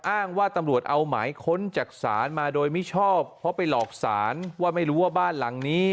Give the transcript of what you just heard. อ้างว่าตำรวจเอาหมายค้นจากศาลมาโดยมิชอบเพราะไปหลอกศาลว่าไม่รู้ว่าบ้านหลังนี้